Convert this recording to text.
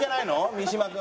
三島君。